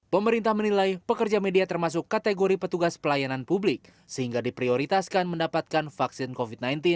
pemerintah menilai pekerja media termasuk kategori petugas pelayanan publik sehingga diprioritaskan mendapatkan vaksin covid sembilan belas